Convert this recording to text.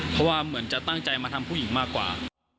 เพราะว่าเหมือนจะตั้งใจมาทำผู้หญิงมากกว่า